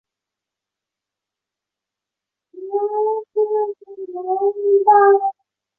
维耶维莱赖埃。